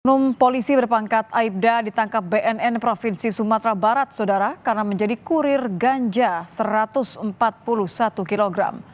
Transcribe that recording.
umum polisi berpangkat aibda ditangkap bnn provinsi sumatera barat saudara karena menjadi kurir ganja satu ratus empat puluh satu kg